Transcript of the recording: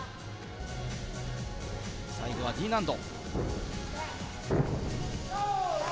最後はＤ難度。